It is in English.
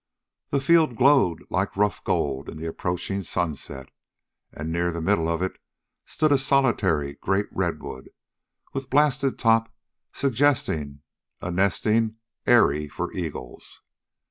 The field glowed like rough gold in the approaching sunset, and near the middle of it stood a solitary great redwood, with blasted top suggesting a nesting eyrie for eagles.